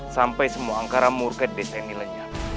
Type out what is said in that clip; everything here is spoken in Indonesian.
sampai semua angkara murket desa ini lenyap